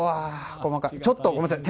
ちょっとごめんなさい。